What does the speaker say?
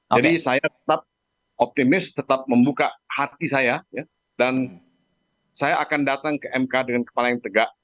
jadi saya tetap optimis tetap membuka hati saya dan saya akan datang ke mk dengan kepala yang tegak